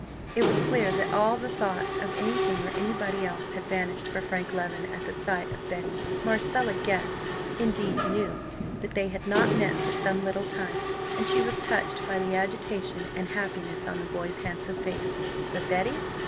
It was clear that all thought of anything or anybody else had vanished for Frank Leven at the sight of Betty. Marcella guessed, indeed knew, that they had not met for some little time; and she was touched by the agitation and happiness on the boy's handsome face. But Betty?